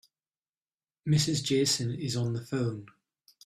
Mrs. Jason is on the phone.